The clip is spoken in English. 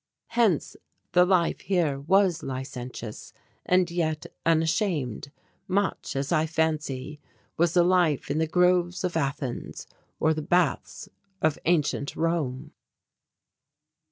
Hence the life here was licentious and yet unashamed, much, as I fancy was the life in the groves of Athens or the baths of ancient Rome.